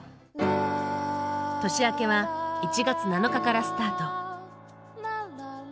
年明けは１月７日からスタート。